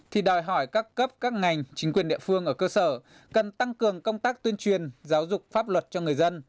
thì đòi hỏi các cấp các ngành chính quyền địa phương ở cơ sở cần tăng cường công tác tuyên truyền giáo dục pháp luật cho người dân